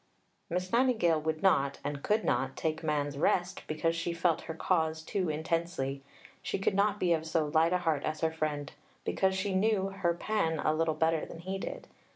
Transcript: Miss Nightingale would not, and could not, take man's rest because she felt her cause too intensely; she could not be of so light a heart as her friend, because she knew "her Pan" a little better than he did.